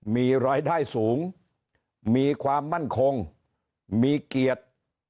มีรายได้สูงมีความมั่นคงมีเกียรติ